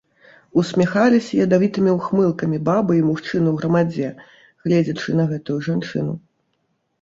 Усміхаліся ядавітымі ўхмылкамі бабы і мужчыны ў грамадзе, гледзячы на гэтую жанчыну.